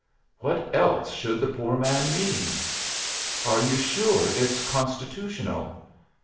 "What else should the poor man mean?" "Are you sure it's constitutional?"